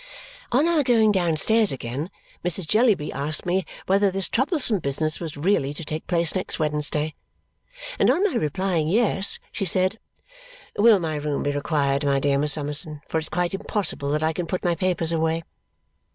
On our going downstairs again, Mrs. Jellyby asked me whether this troublesome business was really to take place next Wednesday. And on my replying yes, she said, "Will my room be required, my dear Miss Summerson? For it's quite impossible that I can put my papers away."